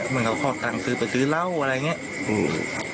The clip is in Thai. เหมือนเขาขอดกลางซื้อไปซื้อเล่าอะไรอย่างเงี้ยอืม